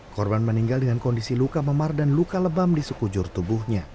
korban meninggal dengan kondisi luka memar dan luka lebam di sekujur tubuhnya